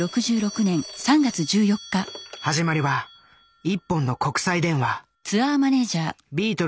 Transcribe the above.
始まりは一本の国際電話。